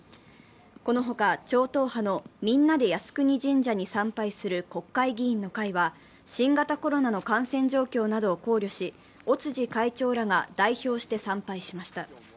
このほか超党派のみんなで靖国神社に参拝する国会議員の会は新型コロナの感染状況などを考慮し、尾辻会長らが代表して参拝しました。